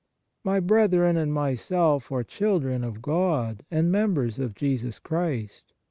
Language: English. My brethren and myself are children of God and members of Jesus Christ.